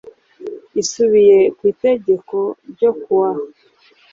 isubiye ku itegeko ryo kuwa